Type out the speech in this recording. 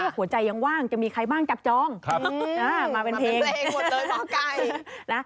หัวใจยังว่างจะมีใครมาล่างจับจองมาเป็นเพลง